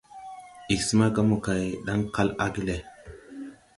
Ig smaga mokay, Ɗaŋ kal age le.